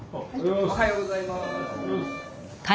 おはようございます。